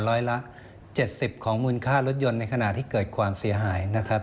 ร้อยละ๗๐ของมูลค่ารถยนต์ในขณะที่เกิดความเสียหายนะครับ